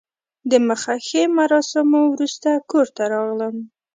د مخه ښې مراسمو وروسته کور ته راغلم.